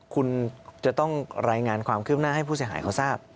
คุณจะต้องรายงานความคืบหน้าให้ผู้เสียหายเขาทราบ